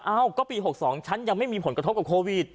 ก็ผ่านเกณฑ์บอกว่าอ้าวก็ปี๖๒ฉันยังไม่มีผลกระทบกับโควิด